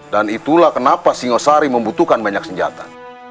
dan itulah kenapa singosari membutuhkan banyak senjata